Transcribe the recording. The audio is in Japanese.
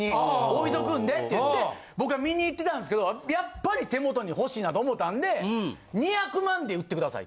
置いとくんでって言って僕は見に行ってたんですけどやっぱり手元に欲しいなと思たんで。